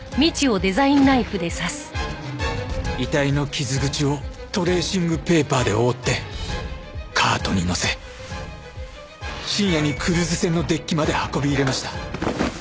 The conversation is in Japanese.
遺体の傷口をトレーシングペーパーで覆ってカートにのせ深夜にクルーズ船のデッキまで運び入れました。